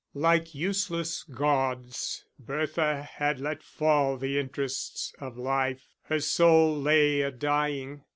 Like useless gauds, Bertha had let fall the interests of life; her soul lay a dying.